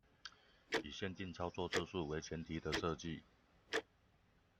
以限定操作次數為前提的設計